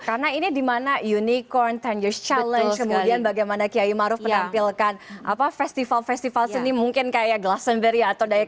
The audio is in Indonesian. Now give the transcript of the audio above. karena ini dimana unicorn sepuluh years challenge kemudian bagaimana kiai ma'ruf menampilkan apa festival festival seni mungkin kayak glastonbury atau new york